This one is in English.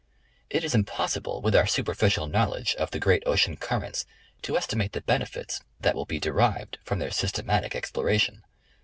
It is impossible with our superficial knowledge of the great ocean currents to estimate the benefits that will be derived from their systematic exploration.